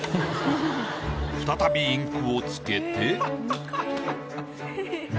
再びインクを付けて。